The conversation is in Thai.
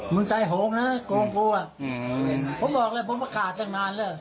มึงใจโหงน่ะโกงกูอ่ะอืมผมบอกเลยผมมาขาดตั้งนานแล้ว